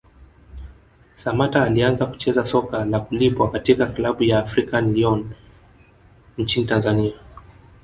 Samatta alianza kucheza soka la kulipwa katika klabu ya African Lyon nchini Tanzania